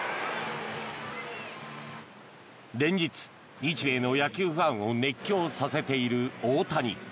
連日、日米の野球ファンを熱狂させている大谷。